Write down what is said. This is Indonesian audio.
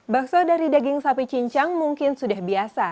bakso dari daging sapi cincang mungkin sudah biasa